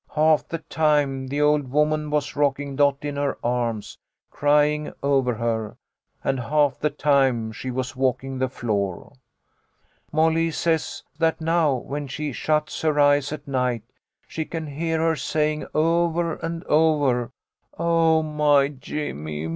Half the time the old woman was rocking Dot in her arms, crying over her, and half the time she was walking the floor. 84 THE LITTLE COLONEL'S HOLIDAYS., " Molly says that now, when she shuts her eyes at night, she can hear her saying, over and over, 'Oh, my Jimmy